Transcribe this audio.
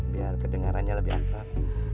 biar kedengarannya lebih akrab